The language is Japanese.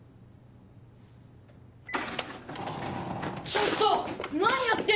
ちょっと！